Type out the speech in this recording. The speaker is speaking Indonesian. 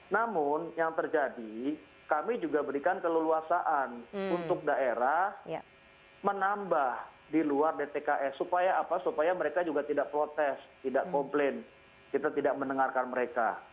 namun yang terjadi kami juga berikan keleluasaan untuk daerah menambah di luar dtks supaya apa supaya mereka juga tidak protes tidak komplain kita tidak mendengarkan mereka